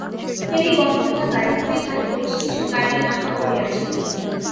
ফেরি বন্ধ থাকায় দুই ঘাটে বেশ কিছু গাড়ি আটকা পড়ে আছে।